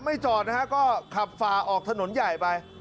ไม่จอดนะครับก็ขับฝาออกถนนใหญ่ไป